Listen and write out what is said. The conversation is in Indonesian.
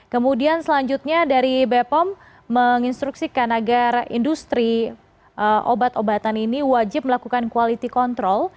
kemudian selanjutnya dari bepom menginstruksikan agar industri obat obatan ini wajib melakukan quality control